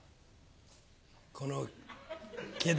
この毛玉。